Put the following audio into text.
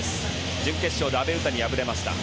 準決勝で阿部詩に敗れました。